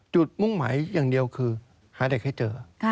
มุ่งหมายอย่างเดียวคือหาเด็กให้เจอ